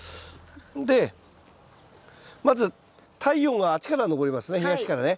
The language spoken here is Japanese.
でまず太陽があっちから昇りますね東からね。